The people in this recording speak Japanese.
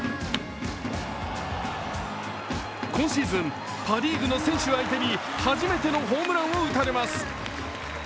今シーズン、パ・リーグの選手相手に初めてのホームランを打たれます。